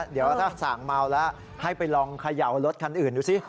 เดี๋ยวถ้าสั่งเมาแล้วให้ไปลองเขย่ารถคันอื่นดูสิ